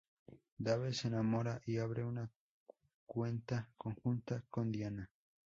Dave se enamora y abre una cuenta conjunta con Diana.